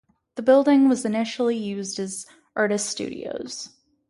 The building was initially used as artist studios.